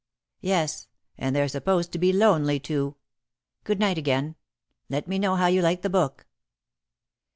"Yes, and they're supposed to be lonely, too. Good night again. Let me know how you like the book."